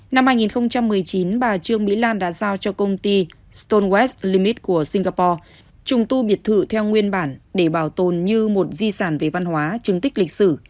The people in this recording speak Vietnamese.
năm hai nghìn một mươi chín bà trương mỹ lan đã giao cho công ty stolt limit của singapore trùng tu biệt thự theo nguyên bản để bảo tồn như một di sản về văn hóa chứng tích lịch sử